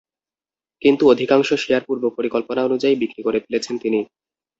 কিন্তু অধিকাংশ শেয়ার পূর্বপরিকল্পনা অনুযায়ী বিক্রি করে ফেলেছেন তিনি।